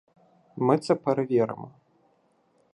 Ми це перевіримо.